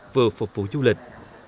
vừa phục vụ du lịch